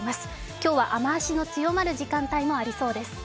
今日は雨足の強まる時間帯もありそうです。